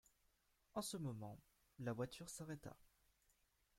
En ce moment, la voiture s'arrêta.